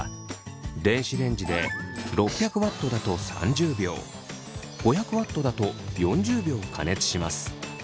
電子レンジで６００Ｗだと３０秒５００Ｗだと４０秒加熱します。